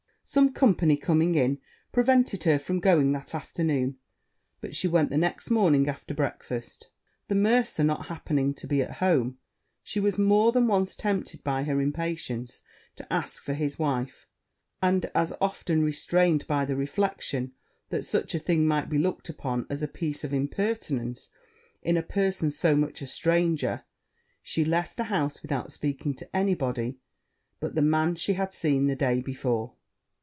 Some company coming in, prevented her from going that afternoon; but she went the next morning after breakfast. The mercer not happening to be at home, she was more than once tempted by her impatience to ask for his wife, and as often restrained by the reflection that such a thing might be looked upon as a piece of impertinence in a person so much a stranger: she therefore left the house without speaking to any body but the man she had seen the day before.